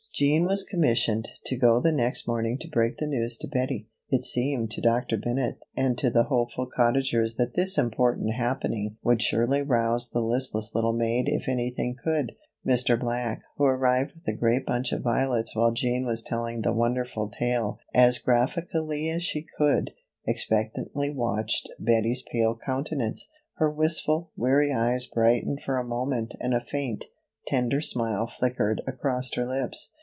Jean was commissioned to go the next morning to break the news to Bettie. It seemed to Dr. Bennett and to the hopeful Cottagers that this important happening would surely rouse the listless little maid if anything could. Mr. Black, who arrived with a great bunch of violets while Jean was telling the wonderful tale as graphically as she could, expectantly watched Bettie's pale countenance. Her wistful, weary eyes brightened for a moment and a faint, tender smile flickered across her lips.